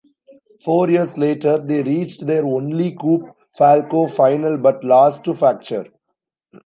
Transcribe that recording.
Four years later they reached their only Coupe Falcou final but lost to Facture.